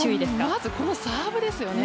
まずサーブですよね。